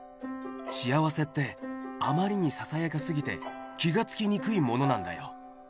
幸せってあまりにささやかすぎて気がつきにくいものなんだよ。